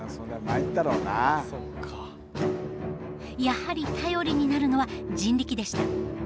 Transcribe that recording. やはり頼りになるのは人力でした。